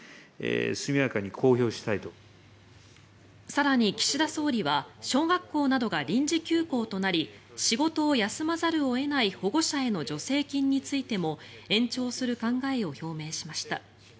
更に岸田総理は小学校などが臨時休校となり仕事を休まざるを得ない保護者への助成金についても延長する考えを表明しました。